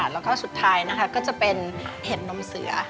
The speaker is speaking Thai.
แล้วก็สุดท้ายนะคะก็จะเป็นเห็ดนมเสือ